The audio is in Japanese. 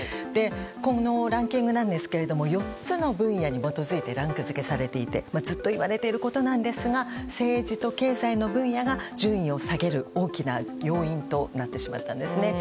このランキングなんですが４つの分野に基づいてランク付けされていてずっと言われていることですが政治と経済の分野が順位を下げる大きな要因となってしまったんですね。